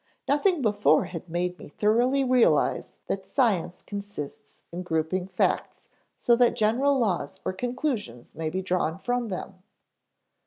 Nothing before had made me thoroughly realize that science consists in grouping facts so that general laws or conclusions may be drawn from them."